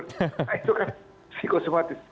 nah itu kan psikosomatis